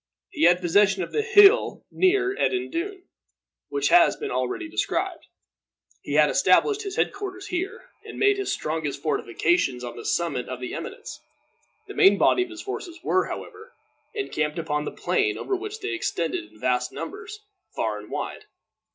He had possession of the hill near Edendune, which has been already described. He had established his head quarters here, and made his strongest fortifications on the summit of the eminence. The main body of his forces were, however, encamped upon the plain, over which they extended, in vast numbers, far and wide.